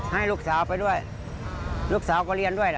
ให้ลูกสาวไปด้วยลูกสาวก็เรียนด้วยนะ